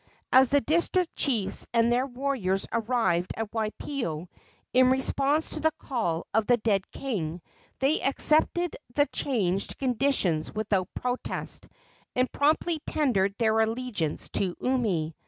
As the district chiefs and their warriors arrived at Waipio in response to the call of the dead king, they accepted the changed conditions without protest, and promptly tendered their allegiance to Umi.